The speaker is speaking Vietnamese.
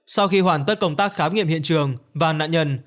sau khi hoàn tất công tác khám nghiệm hiện trường và nạn nhân